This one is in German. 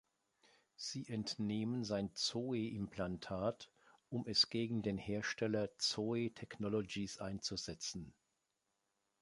Sie entnehmen sein Zoe-Implantat, um es gegen den Hersteller „Zoe Technologies“ einzusetzen.